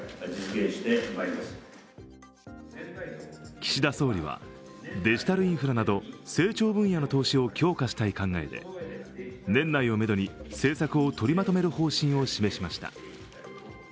岸田総理はデジタルインフラなど成長分野の投資を強化したい考えで年内をめどに政策を取りまとめる方針を示しました。